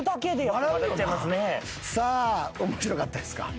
さあ面白かったですか？